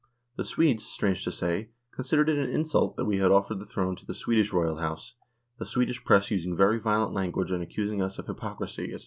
The Swedes, strange to say, considered it an insult that we had offered the throne to the Swedish Royal House, the Swedish Press using very violent language and accusing us of hypocrisy, &c.